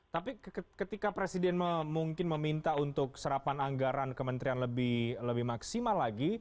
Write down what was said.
tapi ketika presiden mungkin meminta untuk serapan anggaran kementerian lebih maksimal lagi